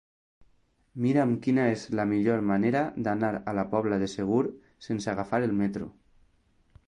Mira'm quina és la millor manera d'anar a la Pobla de Segur sense agafar el metro.